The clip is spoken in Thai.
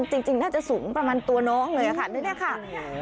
จริงน่าจะสูงประมาณตัวน้องเลยค่ะนี่ค่ะ